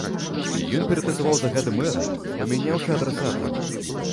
Ён ператасаваў загады мэра, памяняўшы адрасатаў.